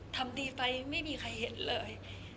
ทำดีไปยังไม่มีใครเห็นเลย